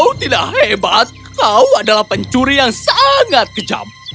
oh tidak hebat kau adalah pencuri yang sangat kejam